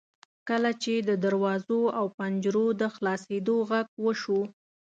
کله چې د دروازو او پنجرو د خلاصیدو غږ وشو.